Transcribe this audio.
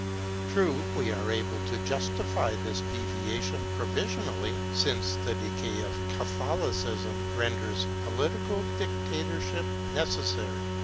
True, we are able to justify this deviation provisionally, since the decay of Catholicism renders political dictatorship necessary.